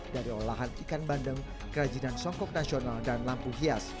dari olahan ikan bandeng kerajinan songkok nasional dan lampu hias